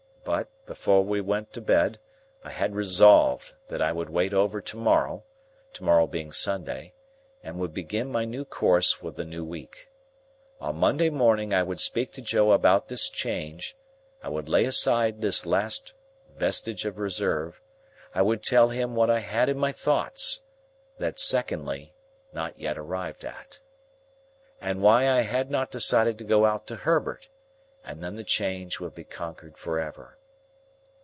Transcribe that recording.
But, before we went to bed, I had resolved that I would wait over to morrow,—to morrow being Sunday,—and would begin my new course with the new week. On Monday morning I would speak to Joe about this change, I would lay aside this last vestige of reserve, I would tell him what I had in my thoughts (that Secondly, not yet arrived at), and why I had not decided to go out to Herbert, and then the change would be conquered for ever.